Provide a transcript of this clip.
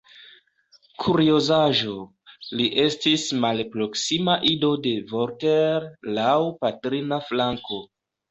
Kuriozaĵo: li estis malproksima ido de Voltaire, laŭ patrina flanko.